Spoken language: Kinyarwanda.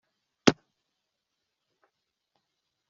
Ubushakashatsi no gutegura raporo igihe bikwiye